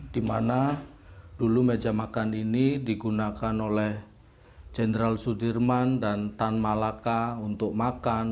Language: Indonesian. dimana dulu meja makan ini digunakan oleh general sudirman dan tan malaka untuk makan